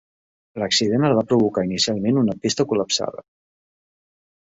L'accident el va provocar inicialment una pista col·lapsada.